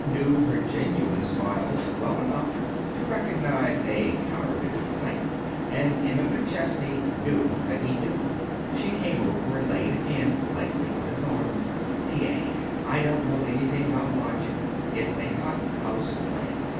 knew her genuine smiles well enough to recognize a counterfeit at sight. And Emma McChesney knew that he knew. She came over and laid a hand lightly on his arm. "T. A., I don't know anything about logic. It is a hot house plant.